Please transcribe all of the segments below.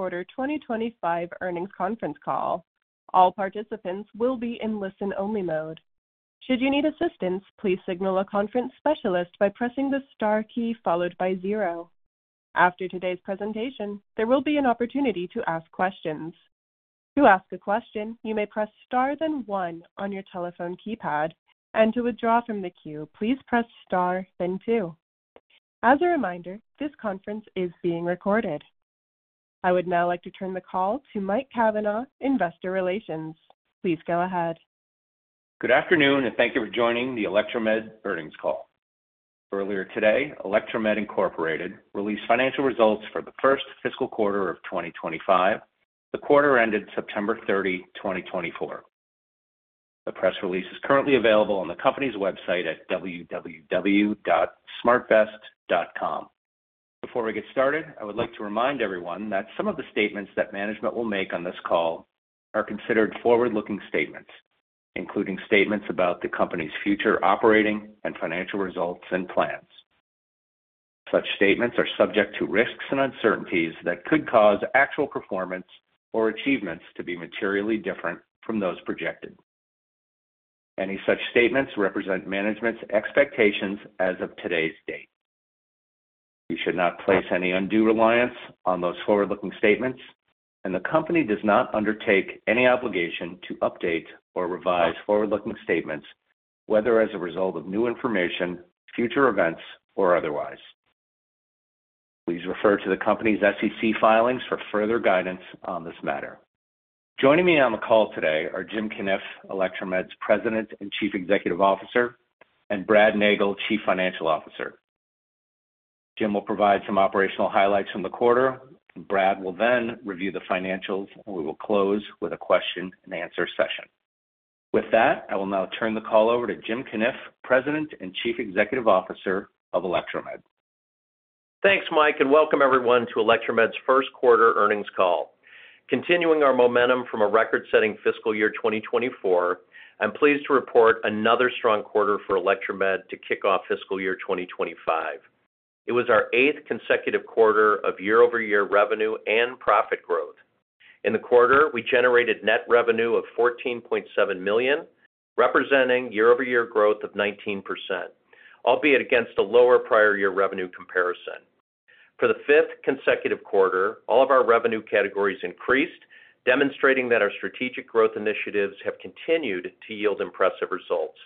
Quarter 2025 earnings conference call. All participants will be in listen-only mode. Should you need assistance, please signal a conference specialist by pressing the star key followed by zero. After today's presentation, there will be an opportunity to ask questions. To ask a question, you may press star then one on your telephone keypad, and to withdraw from the queue, please press star then two. As a reminder, this conference is being recorded. I would now like to turn the call to Mike Cavanaugh, Investor Relations. Please go ahead. Good afternoon, and thank you for joining the Electromed earnings call. Earlier today, Electromed Incorporated released financial results for the first fiscal quarter of 2025. The quarter ended September 30, 2024. The press release is currently available on the company's website at www.smartvest.com. Before we get started, I would like to remind everyone that some of the statements that management will make on this call are considered forward-looking statements, including statements about the company's future operating and financial results and plans. Such statements are subject to risks and uncertainties that could cause actual performance or achievements to be materially different from those projected. Any such statements represent management's expectations as of today's date. You should not place any undue reliance on those forward-looking statements, and the company does not undertake any obligation to update or revise forward-looking statements, whether as a result of new information, future events, or otherwise. Please refer to the company's SEC filings for further guidance on this matter. Joining me on the call today are Jim Cunniff, Electromed's President and Chief Executive Officer, and Brad Nagel, Chief Financial Officer. Jim will provide some operational highlights from the quarter, and Brad will then review the financials, and we will close with a question-and-answer session. With that, I will now turn the call over to Jim Cunniff, President and Chief Executive Officer of Electromed. Thanks, Mike, and welcome everyone to Electromed's first quarter earnings call. Continuing our momentum from a record-setting fiscal year 2024, I'm pleased to report another strong quarter for Electromed to kick off fiscal year 2025. It was our eighth consecutive quarter of year-over-year revenue and profit growth. In the quarter, we generated net revenue of $14.7 million, representing year-over-year growth of 19%, albeit against a lower prior-year revenue comparison. For the fifth consecutive quarter, all of our revenue categories increased, demonstrating that our strategic growth initiatives have continued to yield impressive results.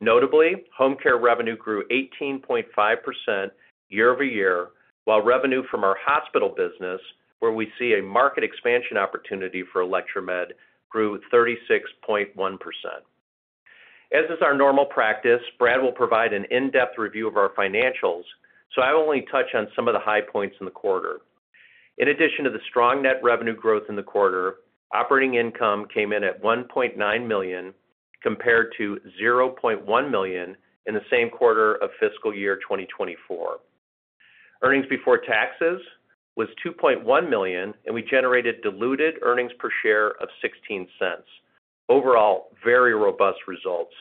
Notably, home care revenue grew 18.5% year-over-year, while revenue from our hospital business, where we see a market expansion opportunity for Electromed, grew 36.1%. As is our normal practice, Brad will provide an in-depth review of our financials, so I will only touch on some of the high points in the quarter. In addition to the strong net revenue growth in the quarter, operating income came in at $1.9 million compared to $0.1 million in the same quarter of fiscal year 2024. Earnings before taxes was $2.1 million, and we generated diluted earnings per share of $0.16. Overall, very robust results.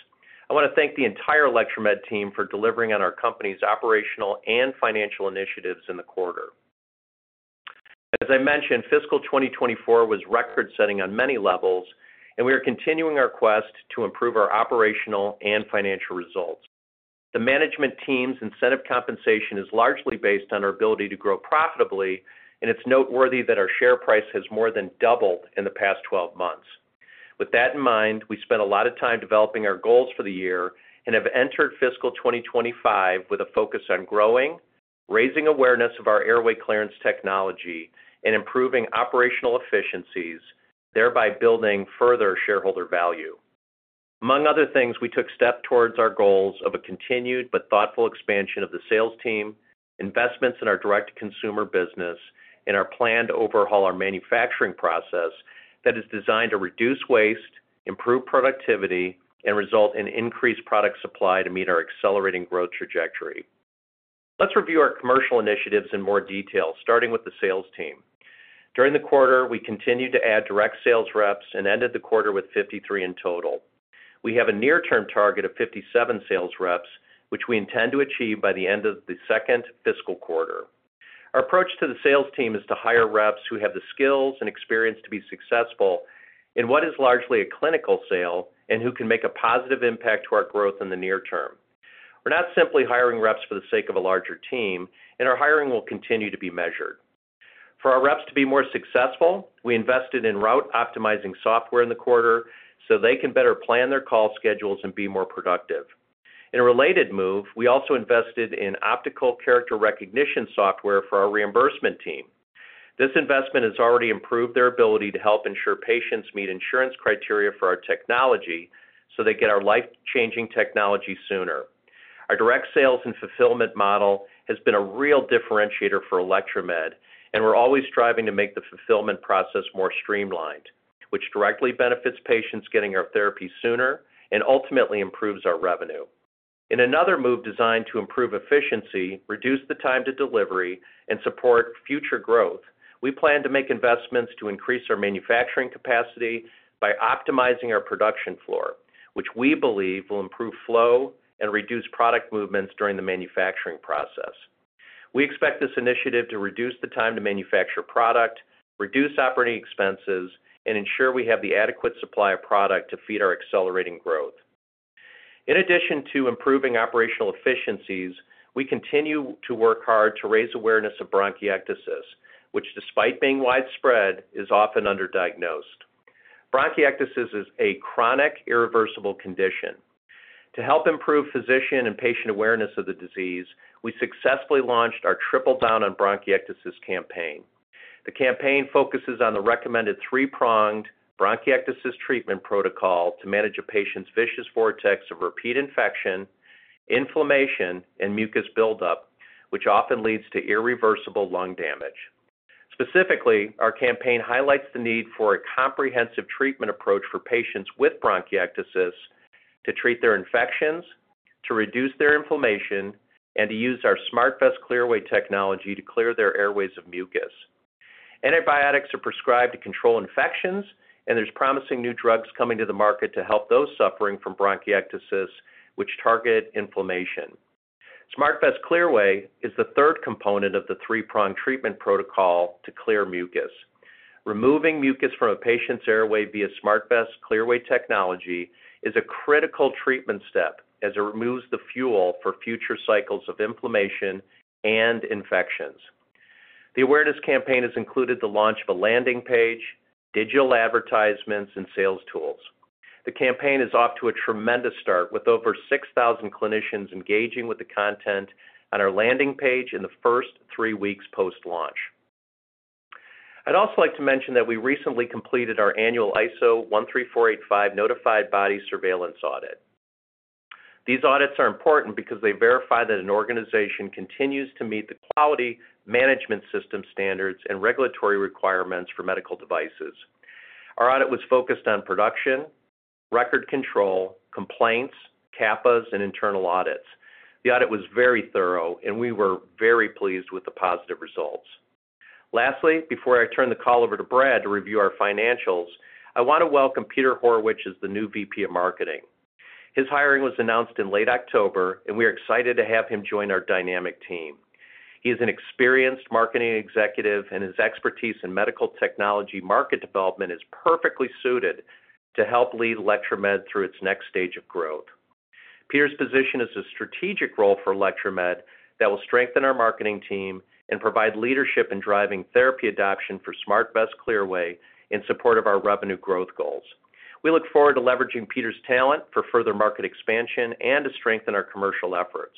I want to thank the entire Electromed team for delivering on our company's operational and financial initiatives in the quarter. As I mentioned, fiscal 2024 was record-setting on many levels, and we are continuing our quest to improve our operational and financial results. The management team's incentive compensation is largely based on our ability to grow profitably, and it's noteworthy that our share price has more than doubled in the past 12 months. With that in mind, we spent a lot of time developing our goals for the year and have entered fiscal 2025 with a focus on growing, raising awareness of our airway clearance technology, and improving operational efficiencies, thereby building further shareholder value. Among other things, we took steps towards our goals of a continued but thoughtful expansion of the sales team, investments in our direct-to-consumer business, and our plan to overhaul our manufacturing process that is designed to reduce waste, improve productivity, and result in increased product supply to meet our accelerating growth trajectory. Let's review our commercial initiatives in more detail, starting with the sales team. During the quarter, we continued to add direct sales reps and ended the quarter with 53 in total. We have a near-term target of 57 sales reps, which we intend to achieve by the end of the second fiscal quarter. Our approach to the sales team is to hire reps who have the skills and experience to be successful in what is largely a clinical sale and who can make a positive impact to our growth in the near term. We're not simply hiring reps for the sake of a larger team, and our hiring will continue to be measured. For our reps to be more successful, we invested in route-optimizing software in the quarter so they can better plan their call schedules and be more productive. In a related move, we also invested in optical character recognition software for our reimbursement team. This investment has already improved their ability to help ensure patients meet insurance criteria for our technology so they get our life-changing technology sooner. Our direct sales and fulfillment model has been a real differentiator for Electromed, and we're always striving to make the fulfillment process more streamlined, which directly benefits patients getting our therapy sooner and ultimately improves our revenue. In another move designed to improve efficiency, reduce the time to delivery, and support future growth, we plan to make investments to increase our manufacturing capacity by optimizing our production floor, which we believe will improve flow and reduce product movements during the manufacturing process. We expect this initiative to reduce the time to manufacture product, reduce operating expenses, and ensure we have the adequate supply of product to feed our accelerating growth. In addition to improving operational efficiencies, we continue to work hard to raise awareness of bronchiectasis, which, despite being widespread, is often underdiagnosed. Bronchiectasis is a chronic, irreversible condition. To help improve physician and patient awareness of the disease, we successfully launched our Triple Down on Bronchiectasis campaign. The campaign focuses on the recommended three-pronged bronchiectasis treatment protocol to manage a patient's vicious vortex of repeat infection, inflammation, and mucus buildup, which often leads to irreversible lung damage. Specifically, our campaign highlights the need for a comprehensive treatment approach for patients with bronchiectasis to treat their infections, to reduce their inflammation, and to use our SmartVest Clearway technology to clear their airways of mucus. Antibiotics are prescribed to control infections, and there are promising new drugs coming to the market to help those suffering from bronchiectasis, which target inflammation. SmartVest Clearway is the third component of the three-pronged treatment protocol to clear mucus. Removing mucus from a patient's airway via SmartVest Clearway technology is a critical treatment step as it removes the fuel for future cycles of inflammation and infections. The awareness campaign has included the launch of a landing page, digital advertisements, and sales tools. The campaign is off to a tremendous start with over 6,000 clinicians engaging with the content on our landing page in the first three weeks post-launch. I'd also like to mention that we recently completed our annual ISO 13485 Notified Body Surveillance audit. These audits are important because they verify that an organization continues to meet the quality management system standards and regulatory requirements for medical devices. Our audit was focused on production, record control, complaints, CAPAs, and internal audits. The audit was very thorough, and we were very pleased with the positive results. Lastly, before I turn the call over to Brad to review our financials, I want to welcome Peter Horwich as the new VP of Marketing. His hiring was announced in late October, and we are excited to have him join our dynamic team. He is an experienced marketing executive, and his expertise in medical technology market development is perfectly suited to help lead Electromed through its next stage of growth. Peter's position is a strategic role for Electromed that will strengthen our marketing team and provide leadership in driving therapy adoption for SmartVest Clearway in support of our revenue growth goals. We look forward to leveraging Peter's talent for further market expansion and to strengthen our commercial efforts.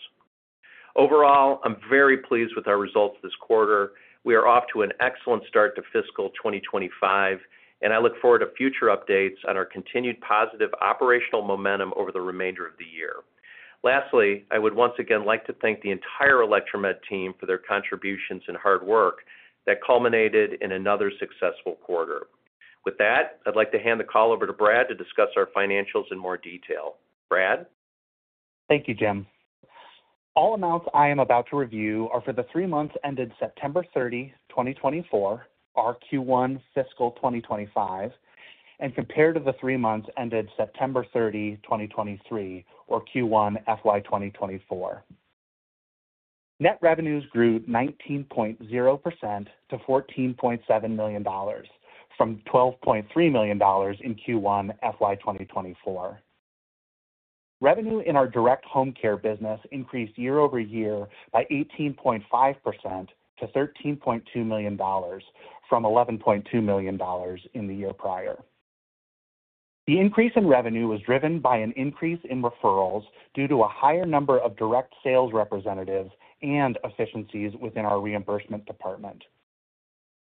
Overall, I'm very pleased with our results this quarter. We are off to an excellent start to fiscal 2025, and I look forward to future updates on our continued positive operational momentum over the remainder of the year. Lastly, I would once again like to thank the entire Electromed team for their contributions and hard work that culminated in another successful quarter. With that, I'd like to hand the call over to Brad to discuss our financials in more detail. Brad? Thank you, Jim. All amounts I am about to review are for the three months ended September 30, 2024, or Q1 fiscal 2025, and compared to the three months ended September 30, 2023, or Q1 FY 2024. Net revenues grew 19.0% to $14.7 million from $12.3 million in Q1 FY 2024. Revenue in our direct home care business increased year-over-year by 18.5% to $13.2 million from $11.2 million in the year prior. The increase in revenue was driven by an increase in referrals due to a higher number of direct sales representatives and efficiencies within our reimbursement department.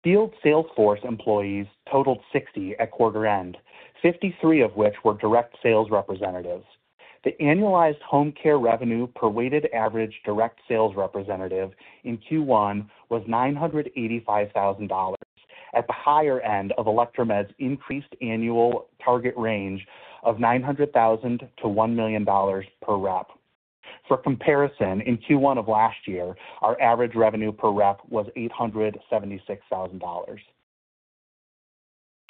Field sales force employees totaled 60 at quarter end, 53 of which were direct sales representatives. The annualized home care revenue per weighted average direct sales representative in Q1 was $985,000 at the higher end of Electromed's increased annual target range of $900,000 to $1 million per rep. For comparison, in Q1 of last year, our average revenue per rep was $876,000.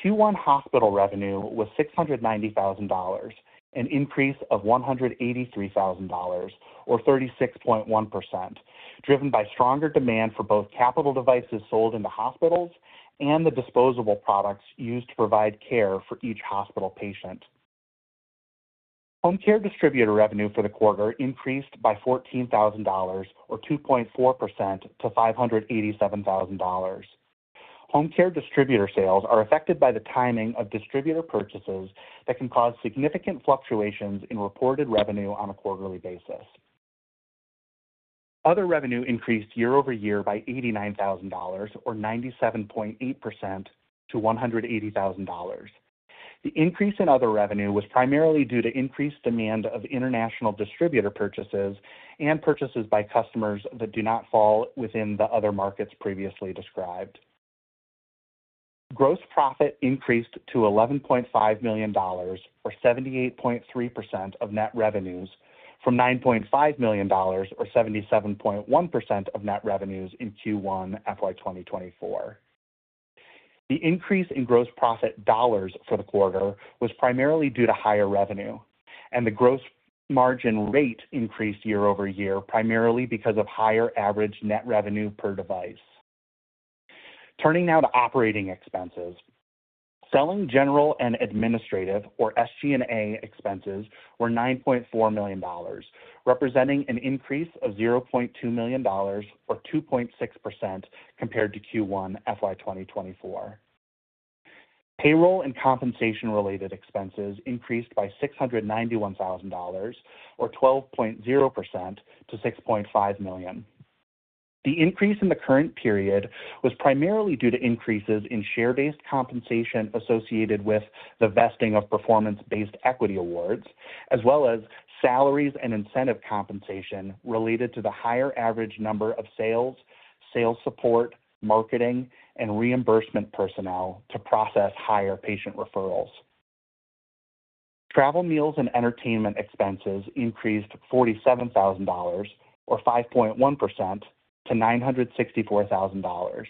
Q1 hospital revenue was $690,000, an increase of $183,000 or 36.1%, driven by stronger demand for both capital devices sold in the hospitals and the disposable products used to provide care for each hospital patient. Home care distributor revenue for the quarter increased by $14,000 or 2.4% to $587,000. Home care distributor sales are affected by the timing of distributor purchases that can cause significant fluctuations in reported revenue on a quarterly basis. Other revenue increased year-over-year by $89,000 or 97.8% to $180,000. The increase in other revenue was primarily due to increased demand of international distributor purchases and purchases by customers that do not fall within the other markets previously described. Gross profit increased to $11.5 million or 78.3% of net revenues from $9.5 million or 77.1% of net revenues in Q1 FY 2024. The increase in gross profit dollars for the quarter was primarily due to higher revenue, and the gross margin rate increased year-over-year primarily because of higher average net revenue per device. Turning now to operating expenses. Selling general and administrative, or SG&A, expenses were $9.4 million, representing an increase of $0.2 million or 2.6% compared to Q1 FY 2024. Payroll and compensation-related expenses increased by $691,000 or 12.0% to $6.5 million. The increase in the current period was primarily due to increases in share-based compensation associated with the vesting of performance-based equity awards, as well as salaries and incentive compensation related to the higher average number of sales, sales support, marketing, and reimbursement personnel to process higher patient referrals. Travel, meals, and entertainment expenses increased $47,000 or 5.1% to $964,000.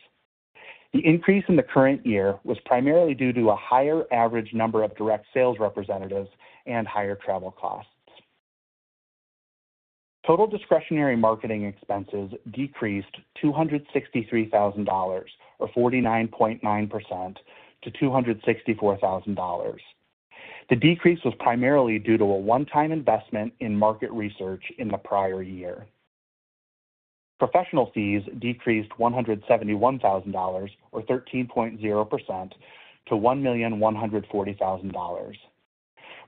The increase in the current year was primarily due to a higher average number of direct sales representatives and higher travel costs. Total discretionary marketing expenses decreased $263,000 or 49.9% to $264,000. The decrease was primarily due to a one-time investment in market research in the prior year. Professional fees decreased $171,000 or 13.0% to $1,140,000.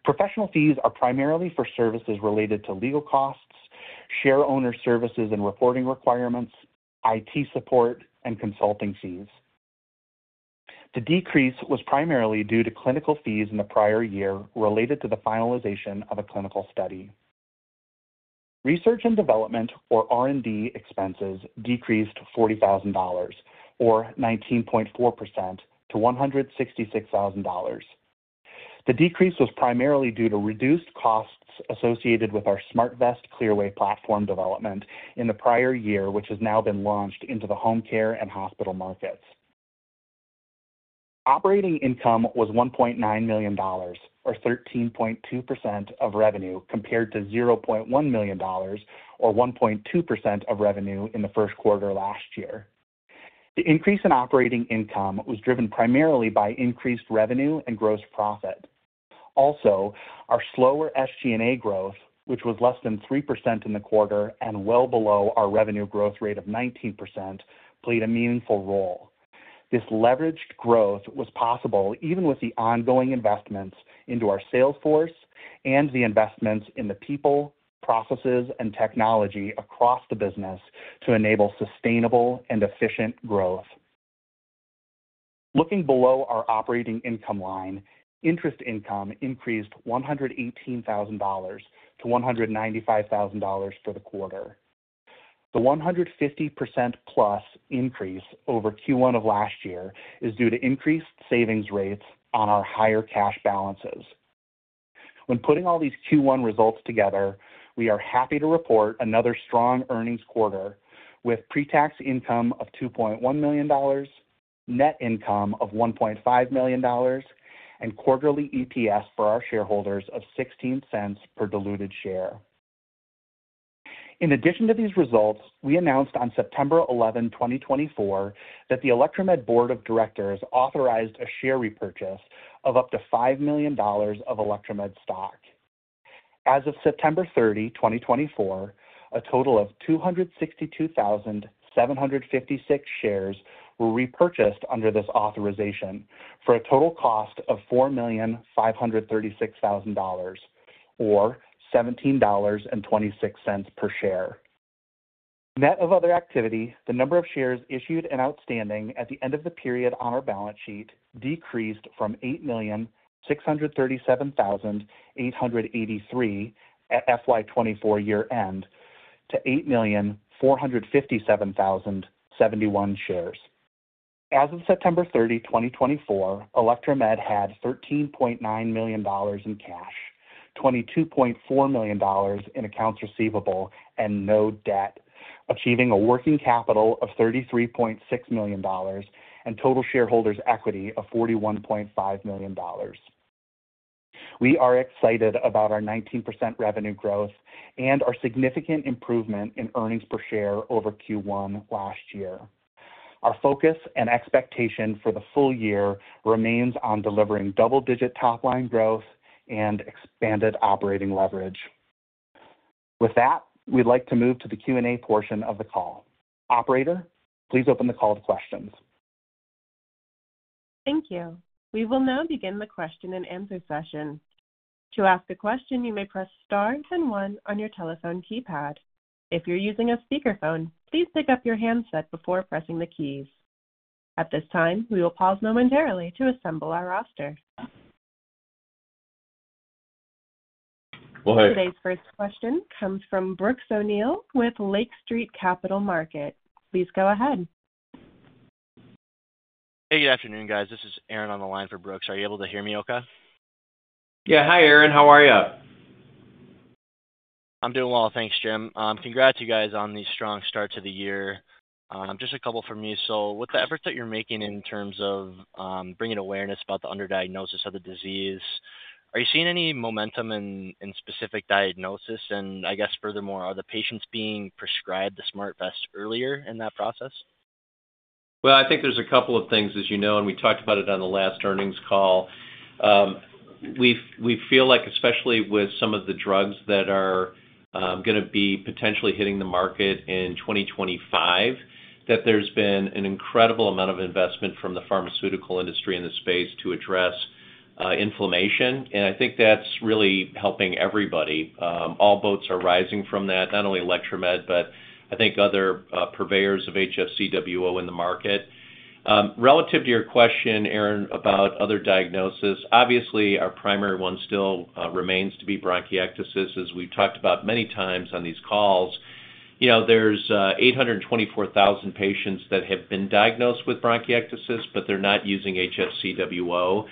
Professional fees are primarily for services related to legal costs, shareholder services and reporting requirements, IT support, and consulting fees. The decrease was primarily due to clinical fees in the prior year related to the finalization of a clinical study. Research and development, or R&D, expenses decreased $40,000 or 19.4% to $166,000. The decrease was primarily due to reduced costs associated with our SmartVest Clearway platform development in the prior year, which has now been launched into the home care and hospital markets. Operating income was $1.9 million or 13.2% of revenue compared to $0.1 million or 1.2% of revenue in the first quarter last year. The increase in operating income was driven primarily by increased revenue and gross profit. Also, our slower SG&A growth, which was less than 3% in the quarter and well below our revenue growth rate of 19%, played a meaningful role. This leveraged growth was possible even with the ongoing investments into our sales force and the investments in the people, processes, and technology across the business to enable sustainable and efficient growth. Looking below our operating income line, interest income increased $118,000 to $195,000 for the quarter. The 150% plus increase over Q1 of last year is due to increased savings rates on our higher cash balances. When putting all these Q1 results together, we are happy to report another strong earnings quarter with pre-tax income of $2.1 million, net income of $1.5 million, and quarterly EPS for our shareholders of $0.16 per diluted share. In addition to these results, we announced on September 11, 2024, that the Electromed Board of Directors authorized a share repurchase of up to $5 million of Electromed stock. As of September 30, 2024, a total of 262,756 shares were repurchased under this authorization for a total cost of $4,536,000 or $17.26 per share. Net of other activity, the number of shares issued and outstanding at the end of the period on our balance sheet decreased from 8,637,883 at FY 2024 year-end to 8,457,071 shares. As of September 30, 2024, Electromed had $13.9 million in cash, $22.4 million in accounts receivable, and no debt, achieving a working capital of $33.6 million and total shareholders' equity of $41.5 million. We are excited about our 19% revenue growth and our significant improvement in earnings per share over Q1 last year. Our focus and expectation for the full year remains on delivering double-digit top-line growth and expanded operating leverage. With that, we'd like to move to the Q&A portion of the call. Operator, please open the call to questions. Thank you. We will now begin the question-and-answer session. To ask a question, you may press star and one on your telephone keypad. If you're using a speakerphone, please pick up your handset before pressing the keys. At this time, we will pause momentarily to assemble our roster. Well, hey. Today's first question comes from Brooks O'Neil with Lake Street Capital Markets. Please go ahead. Hey, good afternoon, guys. This is Aaron on the line for Brooks. Are you able to hear me okay? Yeah. Hi, Aaron. How are you? I'm doing well. Thanks, Jim. Congrats, you guys, on the strong start to the year. Just a couple from me. So with the efforts that you're making in terms of bringing awareness about the underdiagnosis of the disease, are you seeing any momentum in specific diagnosis? And I guess, furthermore, are the patients being prescribed the SmartVest earlier in that process? I think there's a couple of things, as you know, and we talked about it on the last earnings call. We feel like, especially with some of the drugs that are going to be potentially hitting the market in 2025, that there's been an incredible amount of investment from the pharmaceutical industry in this space to address inflammation. I think that's really helping everybody. All boats are rising from that, not only Electromed, but I think other purveyors of HFCWO in the market. Relative to your question, Aaron, about other diagnosis, obviously, our primary one still remains to be bronchiectasis. As we've talked about many times on these calls, there's 824,000 patients that have been diagnosed with bronchiectasis, but they're not using HFCWO.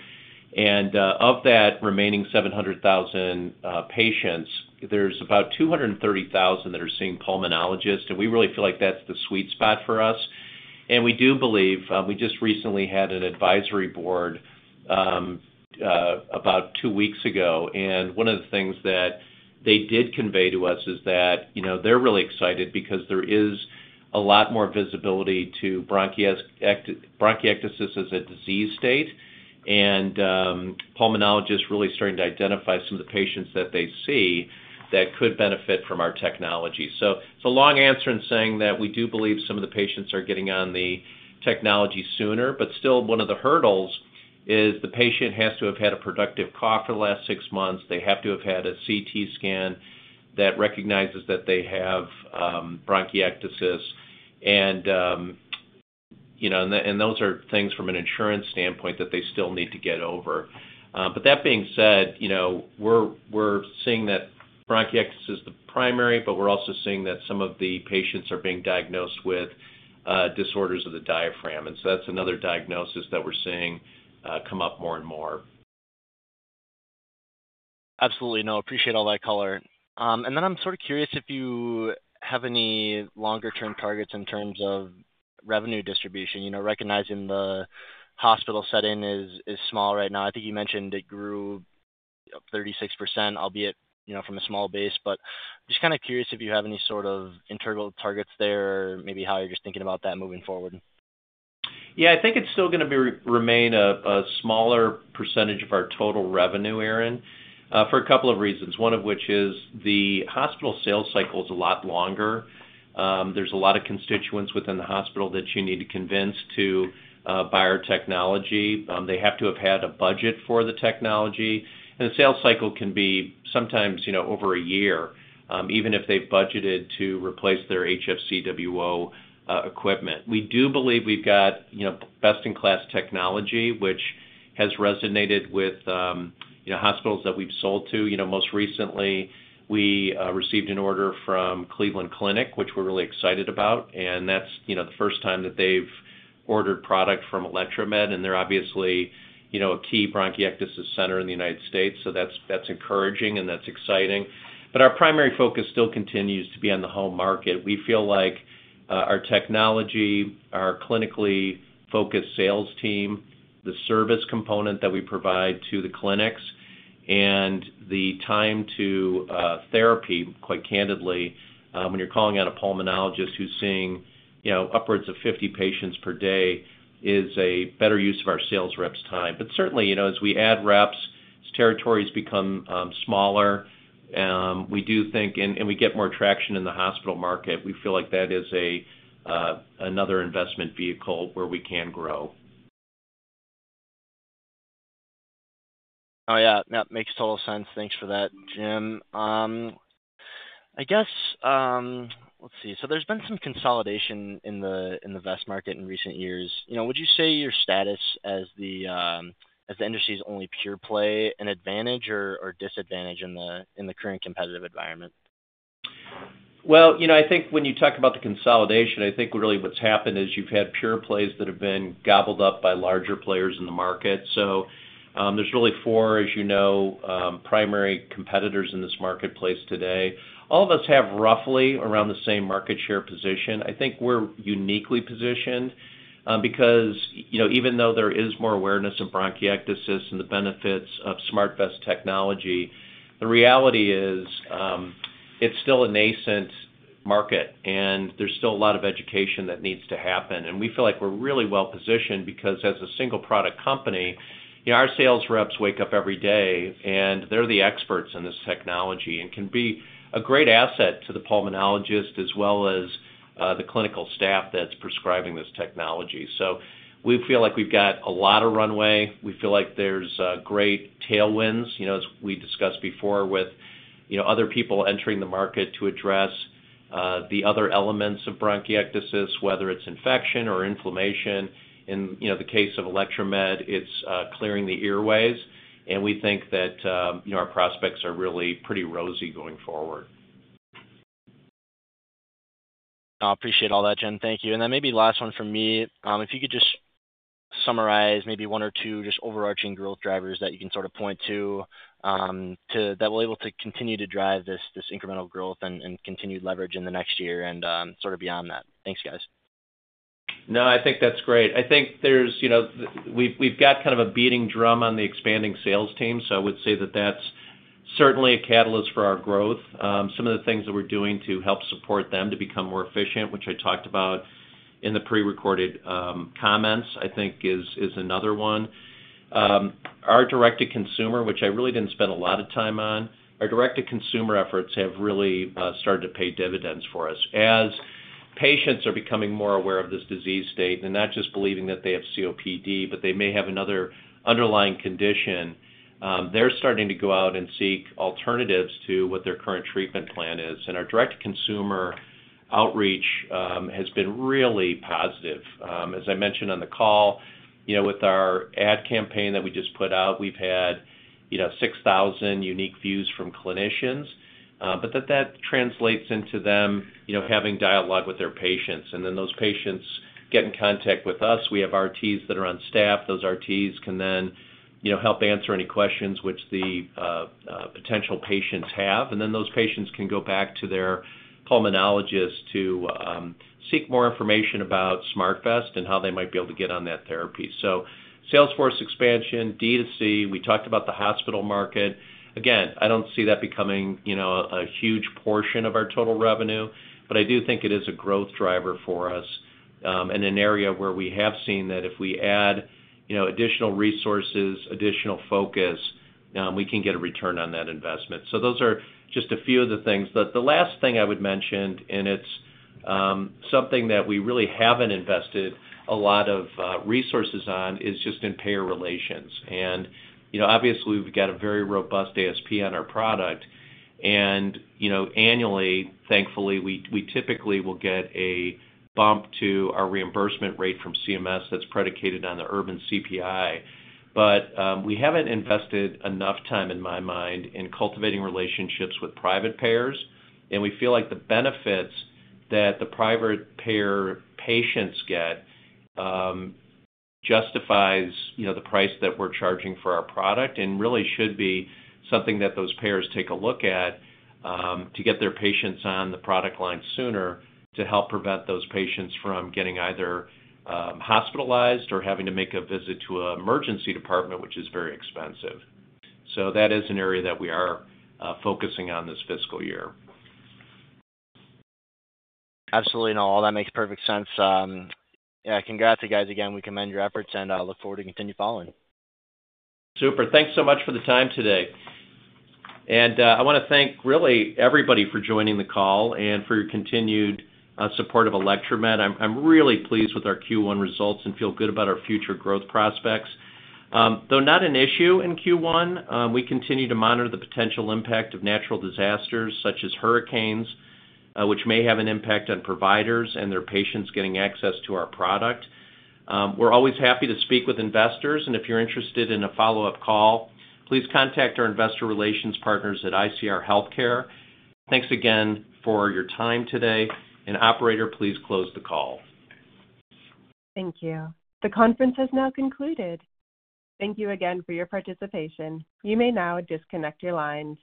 Of that remaining 700,000 patients, there's about 230,000 that are seeing pulmonologists. We really feel like that's the sweet spot for us. We do believe we just recently had an advisory board about two weeks ago. One of the things that they did convey to us is that they're really excited because there is a lot more visibility to bronchiectasis as a disease state, and pulmonologists really starting to identify some of the patients that they see that could benefit from our technology. It's a long answer in saying that we do believe some of the patients are getting on the technology sooner. Still, one of the hurdles is the patient has to have had a productive cough for the last six months. They have to have had a CT scan that recognizes that they have bronchiectasis. Those are things from an insurance standpoint that they still need to get over. But that being said, we're seeing that bronchiectasis is the primary, but we're also seeing that some of the patients are being diagnosed with disorders of the diaphragm. And so that's another diagnosis that we're seeing come up more and more. Absolutely. I appreciate all that color. And then I'm sort of curious if you have any longer-term targets in terms of revenue distribution, recognizing the hospital setting is small right now. I think you mentioned it grew 36%, albeit from a small base. But just kind of curious if you have any sort of integral targets there, maybe how you're just thinking about that moving forward. Yeah. I think it's still going to remain a smaller percentage of our total revenue, Aaron, for a couple of reasons, one of which is the hospital sales cycle is a lot longer. There's a lot of constituents within the hospital that you need to convince to buy our technology. They have to have had a budget for the technology. And the sales cycle can be sometimes over a year, even if they've budgeted to replace their HFCWO equipment. We do believe we've got best-in-class technology, which has resonated with hospitals that we've sold to. Most recently, we received an order from Cleveland Clinic, which we're really excited about. And that's the first time that they've ordered product from Electromed. And they're obviously a key bronchiectasis center in the United States. So that's encouraging, and that's exciting. But our primary focus still continues to be on the home market. We feel like our technology, our clinically focused sales team, the service component that we provide to the clinics, and the time to therapy, quite candidly, when you're calling out a pulmonologist who's seeing upwards of 50 patients per day, is a better use of our sales reps' time, but certainly, as we add reps, as territories become smaller, we do think, and we get more traction in the hospital market, we feel like that is another investment vehicle where we can grow. Oh, yeah. That makes total sense. Thanks for that, Jim. I guess, let's see, so there's been some consolidation in the vest market in recent years. Would you say your status as the industry's only pure play an advantage or disadvantage in the current competitive environment? I think when you talk about the consolidation, I think really what's happened is you've had pure plays that have been gobbled up by larger players in the market. There's really four, as you know, primary competitors in this marketplace today. All of us have roughly around the same market share position. I think we're uniquely positioned because even though there is more awareness of bronchiectasis and the benefits of SmartVest technology, the reality is it's still a nascent market, and there's still a lot of education that needs to happen. We feel like we're really well positioned because as a single-product company, our sales reps wake up every day, and they're the experts in this technology and can be a great asset to the pulmonologist as well as the clinical staff that's prescribing this technology. We feel like we've got a lot of runway. We feel like there's great tailwinds, as we discussed before with other people entering the market to address the other elements of bronchiectasis, whether it's infection or inflammation. In the case of Electromed, it's clearing the airways, and we think that our prospects are really pretty rosy going forward. I appreciate all that, Jim. Thank you. And then maybe last one for me. If you could just summarize maybe one or two just overarching growth drivers that you can sort of point to that will be able to continue to drive this incremental growth and continued leverage in the next year and sort of beyond that? Thanks, guys. No, I think that's great. I think we've got kind of a beating drum on the expanding sales team. So I would say that that's certainly a catalyst for our growth. Some of the things that we're doing to help support them to become more efficient, which I talked about in the pre-recorded comments, I think is another one. Our direct-to-consumer, which I really didn't spend a lot of time on, our direct-to-consumer efforts have really started to pay dividends for us. As patients are becoming more aware of this disease state and not just believing that they have COPD, but they may have another underlying condition, they're starting to go out and seek alternatives to what their current treatment plan is, and our direct-to-consumer outreach has been really positive. As I mentioned on the call, with our ad campaign that we just put out, we've had 6,000 unique views from clinicians. But that translates into them having dialogue with their patients. And then those patients get in contact with us. We have RTs that are on staff. Those RTs can then help answer any questions which the potential patients have. And then those patients can go back to their pulmonologist to seek more information about SmartVest and how they might be able to get on that therapy. So sales force expansion, D to C. We talked about the hospital market. Again, I don't see that becoming a huge portion of our total revenue, but I do think it is a growth driver for us in an area where we have seen that if we add additional resources, additional focus, we can get a return on that investment. So those are just a few of the things. The last thing I would mention, and it's something that we really haven't invested a lot of resources on, is just in payer relations. And obviously, we've got a very robust ASP on our product. And annually, thankfully, we typically will get a bump to our reimbursement rate from CMS that's predicated on the Urban CPI. But we haven't invested enough time, in my mind, in cultivating relationships with private payers. And we feel like the benefits that the private payer patients get justifies the price that we're charging for our product and really should be something that those payers take a look at to get their patients on the product line sooner to help prevent those patients from getting either hospitalized or having to make a visit to an emergency department, which is very expensive. That is an area that we are focusing on this fiscal year. Absolutely. No, all that makes perfect sense. Yeah. Congrats, you guys. Again, we commend your efforts, and I'll look forward to continue following. Super. Thanks so much for the time today. And I want to thank really everybody for joining the call and for your continued support of Electromed. I'm really pleased with our Q1 results and feel good about our future growth prospects. Though not an issue in Q1, we continue to monitor the potential impact of natural disasters such as hurricanes, which may have an impact on providers and their patients getting access to our product. We're always happy to speak with investors. And if you're interested in a follow-up call, please contact our investor relations partners at ICR Healthcare. Thanks again for your time today. And operator, please close the call. Thank you. The conference has now concluded. Thank you again for your participation. You may now disconnect your lines.